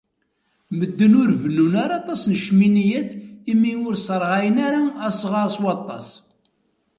Medden ur bennun ara aṭas n cminiyat imi ur sserɣayen ara asɣar s waṭas.